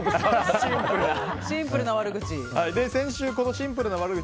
シンプルな悪口。